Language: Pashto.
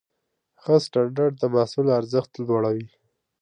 ښه سټنډرډ د محصول ارزښت لوړوي.